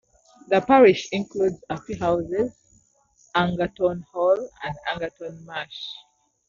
The parish includes a few houses, Angerton Hall, and Angerton Marsh.